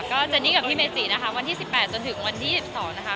ก็เจนนี่กับพี่เมจินะคะวันที่สิบแปดจนถึงวันที่สิบสองนะคะ